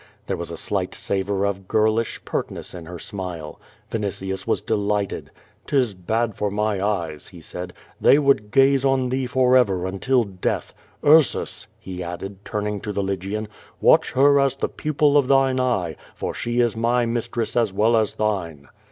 There was a slight savor of girlish pertness in her smile. Vinitius was delighted. " 'Tis bad for my e^es," lie said. "They would gaze on thee forever until death. Ursus!" he added, turning to the Ijygian, "watch her as the pupil of thine eye, for she is my mistress as well as thine."